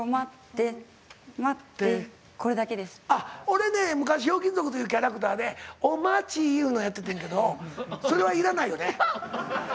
俺ね昔「ひょうきん族」というキャラクターで「お待ち」いうのやっててんけどそれはいらないよね？